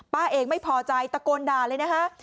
เองไม่พอใจตะโกนด่าเลยนะคะ